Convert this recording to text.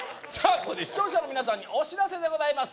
ここで視聴者の皆さんにお知らせでございます